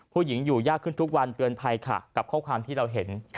ผู้หญิงอยู่ยากขึ้นทุกวันเตือนภัยค่ะกับข้อความที่เราเห็น